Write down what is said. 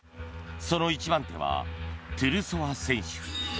その一番手はトゥルソワ選手。